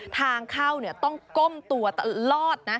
ทางเข้าต้องก้มตัวตลอดนะ